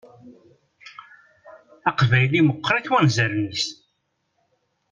Aqbayli meqqeṛ-it wanzaren-is.